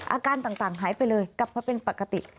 อาการต่างหายไปเลยกลับมาเป็นปกติ